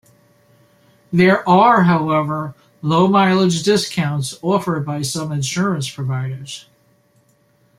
There are however low-mileage discounts offered by some insurance providers.